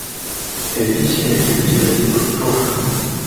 Ekikye kiba kituttwa.